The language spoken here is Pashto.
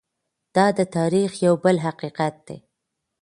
دا د تاریخ یو بل حقیقت دی.